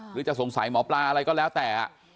หรือจะสงสัยหมอปลาอะไรก็แล้วแต่